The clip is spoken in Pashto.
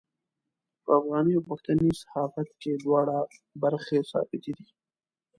په افغاني او پښتني صحافت کې دواړه برخې ثابتې دي.